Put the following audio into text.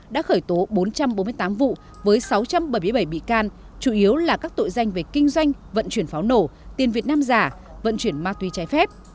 đã khởi tố bốn trăm bốn mươi tám vụ với sáu trăm bảy mươi bảy bị can chủ yếu là các tội danh về kinh doanh vận chuyển pháo nổ tiền việt nam giả vận chuyển ma túy trái phép